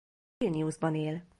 Vilniusban él.